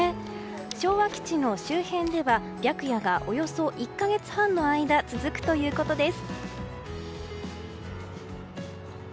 昭和基地の周辺では白夜がおよそ１か月半の間続くということです。